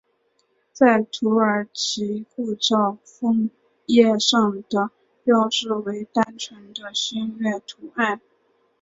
在土耳其护照封页上的标志为单纯的星月图案。